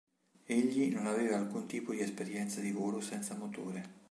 Egli non aveva alcun tipo di esperienza di volo senza motore.